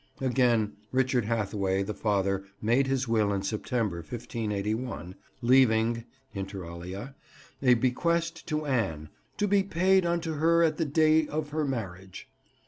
Again, Richard Hathaway the father made his will in September 1581, leaving (inter alia) a bequest to Anne "to be paide unto her at the daie of her marriage."